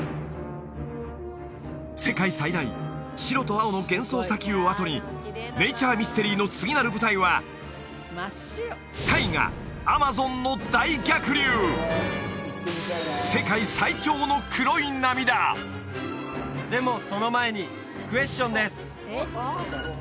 世界最大白と青の幻想砂丘をあとにネイチャーミステリーの次なる舞台はでもその前にクエスチョンです